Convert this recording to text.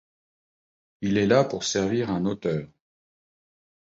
Il est là pour servir un auteur.